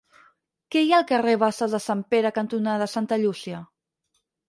Què hi ha al carrer Basses de Sant Pere cantonada Santa Llúcia?